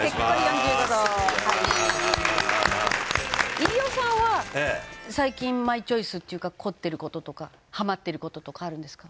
飯尾さんは最近マイチョイスっていうか凝ってる事とかハマってる事とかあるんですか？